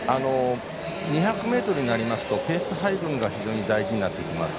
２００ｍになりますとペース配分が非常に大事になってきます。